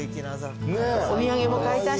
お土産も買えたし。